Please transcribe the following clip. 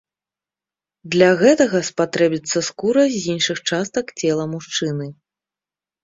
Для гэтага спатрэбіцца скура з іншых частак цела мужчыны.